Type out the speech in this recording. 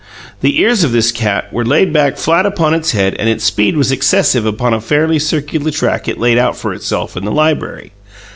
The ears of this cat were laid back flat upon its head and its speed was excessive upon a fairly circular track it laid out for itself in the library.